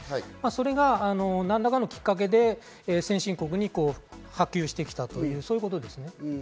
それが何らかのきっかけで先進国に波及してきたということです。